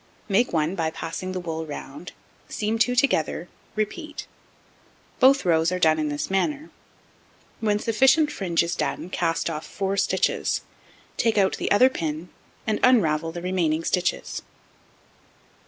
Make 1 by passing the wool round, seam 2 together, repeat; both rows are done in this manner: when sufficient fringe is done, cast off 4 stitches, take out the other pin, and unravel the remaining stitches.